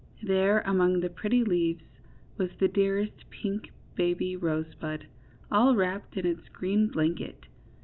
There among the pretty leaves was the dearest pink baby rosebud, all wrapped in its green blanket.